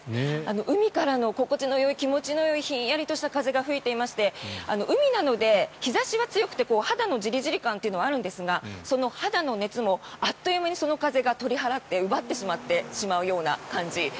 海からの心地のよい、気持ちのいいひんやりとした風が届いていまして海なので日差しは強くて肌のじりじり感はあるんですがその肌の熱もあっという間にその風が取り払って奪ってしまうような感じ。